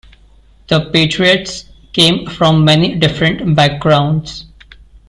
The Patriots came from many different backgrounds.